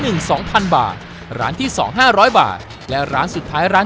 หนึ่งสองพันบาทร้านที่สองห้าร้อยบาทและร้านสุดท้ายร้าน